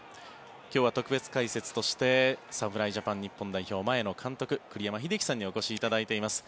今日は特別解説として侍ジャパン日本代表前の監督、栗山英樹さんにお越しいただいています。